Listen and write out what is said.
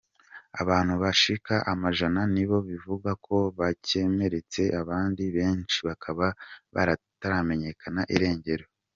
Abantu bashika amajana nibo bivugwa ko bakemeretse abandi benshi bakaba bataramenyekana irengero.